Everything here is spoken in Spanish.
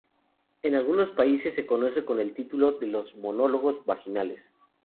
En algunos países se conoce con el título de Los monólogos vaginales.